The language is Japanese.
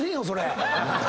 それ。